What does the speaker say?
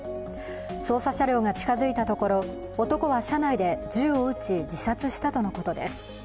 捜査車両が近づいたところ、男は車内で銃を撃ち、自殺したとのことです。